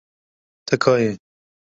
Tika ye.